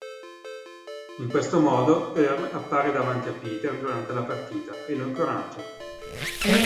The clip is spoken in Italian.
In questo modo Earl appare davanti a Peter durante la partita, e lo incoraggia.